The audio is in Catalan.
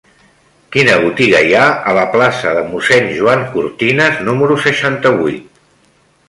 Quina botiga hi ha a la plaça de Mossèn Joan Cortinas número seixanta-vuit?